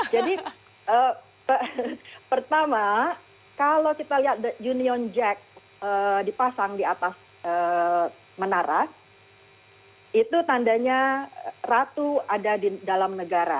jadi pertama kalau kita lihat union jack dipasang di atas menara itu tandanya ratu ada di dalam negara